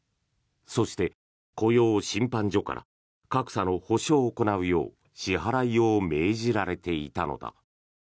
そして、雇用審判所から格差の補償を行うよう支払いを命じられていたのだ。